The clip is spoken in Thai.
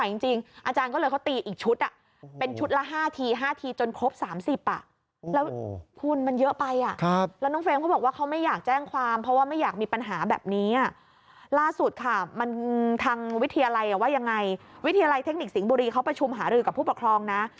อาจารย์ก็บอกว่าครับผมไม่ไหวจริง